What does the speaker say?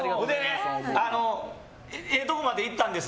ええとこまで行ったんです。